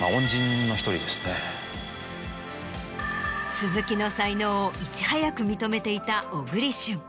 鈴木の才能をいち早く認めていた小栗旬。